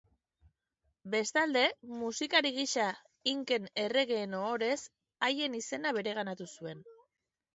Bestalde musikari gisa inken erregeen ohorez haien izena bereganatu zuen.